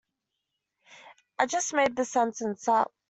I just made this sentence up.